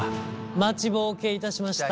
待ちぼうけいたしました。